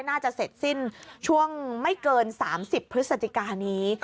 น่าจะเสร็จสิ้นช่วงไม่เกิน๓๐พฤศจิกานี้